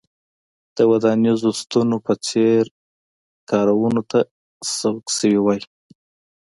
د ودانیزو ستنو په څېر کارونو ته سوق شوي وای.